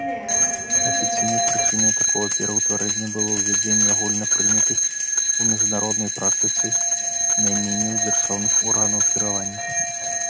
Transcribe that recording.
Афіцыйнай прычынай такога пераўтварэння было ўвядзенне агульнапрынятых у міжнароднай практыцы найменняў дзяржаўных органаў кіравання.